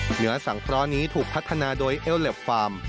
เหนือสังเคราะห์นี้ถูกพัฒนาโดยเอลเล็บฟาร์ม